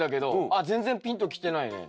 あっ全然ピンときてないね。